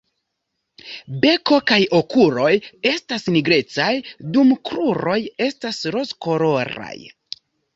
Beko kaj okuloj estas nigrecaj, dum kruroj estas rozkoloraj.